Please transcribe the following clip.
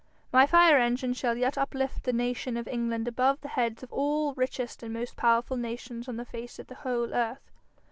My fire engine shall yet uplift the nation of England above the heads of all richest and most powerful nations on the face of the whole earth.